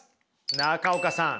中岡さん